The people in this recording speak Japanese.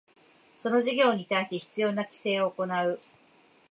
その事業に対し必要な規制を行う